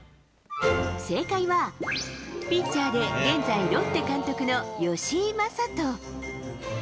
正解は、ピッチャーで、現在、ロッテ監督の吉井理人。